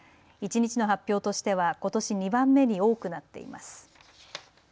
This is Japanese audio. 一日の発表としてはことし２番目に多くなっています。